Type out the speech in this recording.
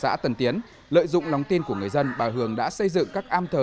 trước đó qua kiểm tra hành chính lợi dụng lòng tin của người dân bà hường đã xây dựng các am thờ